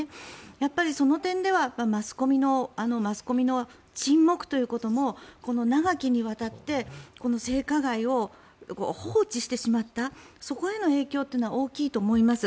やっぱり、その点ではマスコミの沈黙ということもこの長きにわたって性加害を放置してしまったそこへの影響は大きいと思います。